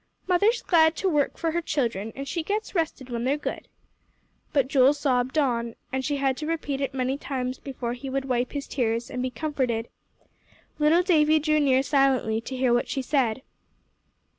"Mother's glad to work for her children, and she gets rested when they're good." But Joel sobbed on, and she had to repeat it many times before he would wipe his tears, and be comforted. Little Davie drew near silently, to hear what she said.